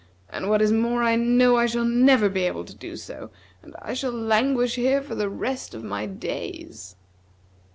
And, what is more, I know I shall never be able to do so; and I shall languish here for the rest of my days."